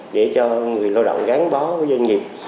để cho người lao động gắn bó với doanh nghiệp